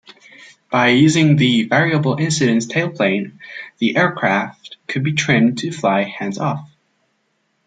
By using the variable incidence tailplane, the aircraft could be trimmed to fly hands-off.